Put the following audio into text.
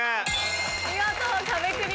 見事壁クリアです。